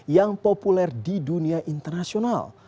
yang populer di dunia internasional